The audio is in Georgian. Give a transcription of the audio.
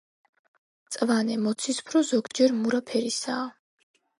მწვანე, მოცისფრო, ზოგჯერ მურა ფერისაა.